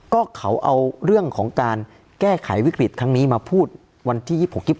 ก็เขาเอาเรื่องของการแก้ไขวิกฤตครั้งนี้มาพูดวันที่๒๖๒